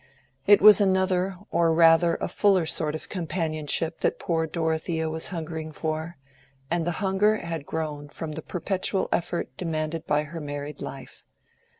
It was another or rather a fuller sort of companionship that poor Dorothea was hungering for, and the hunger had grown from the perpetual effort demanded by her married life.